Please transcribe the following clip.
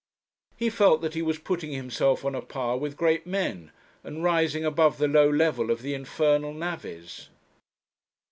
He felt that he was putting himself on a par with great men, and rising above the low level of the infernal navvies.